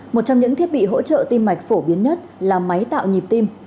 một trong những thiết bị hỗ trợ tim mạch phổ biến nhất là máy tạo nhịp tim